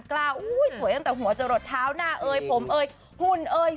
กล้าอุ้ยสวยตั้งแต่หัวจะหลดเท้าหน้าเอยผมเอ่ยหุ่นเอ่ย